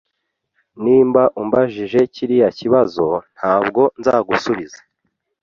Niba ambajije kiriya kibazo, ntabwo nzagusubiza.